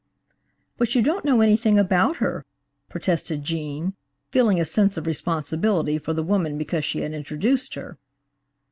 "But you don't know anything about her," protested Gene, feeling a sense of responsibility for the woman because she had introduced her.